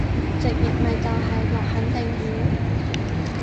直譯咪就係落肯定雨？